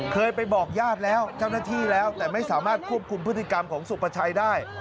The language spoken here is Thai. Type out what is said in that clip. เคยไปบอกญาติแล้วเจ้าหน้าที่แล้วแต่ไม่สามารถควบคุมพฤติกรรมของสุประชัยได้